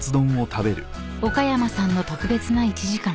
［岡山さんの特別な１時間］